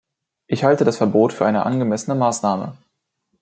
Ich halte das Verbot für eine angemessene Maßnahme.